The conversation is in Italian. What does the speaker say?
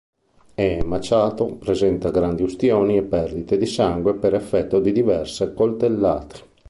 È emaciato, presenta grandi ustioni e perdite di sangue per effetto di diverse coltellate.